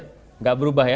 tidak berubah ya